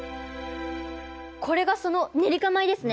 これがそのネリカ米ですね。